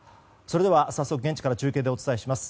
早速現地から中継でお伝えします。